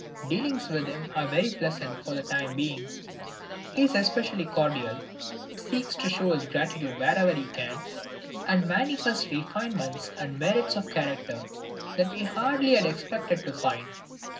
Dealings with him are very pleasant for the time being. He is especially cordial, seeks to show his gratitude wherever he can, and manifests refinements and merits of character that we hardly had expected to find.